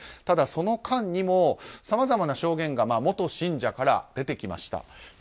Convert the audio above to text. ただその間にもさまざまな証言が元信者から出てきました。